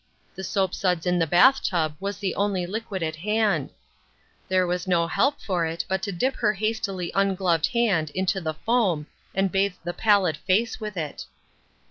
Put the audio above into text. The soapsuds in the bath tub was the only liquid at hand ; there was no help for it but to dip her hastily ungloved hand into the foam and bathe the pallid face with it.